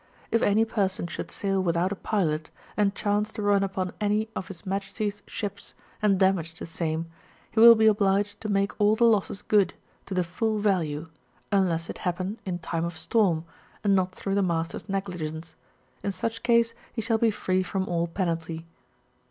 If any person should sail without a puot, and chance to run upon any of His Majesty^s shiDS, and damage the same, he will be obliged to make all the losses good, to the frill value, unless it nappen in time of storm, and not through the master^ negligence; in such case, he shall be free from all penalty.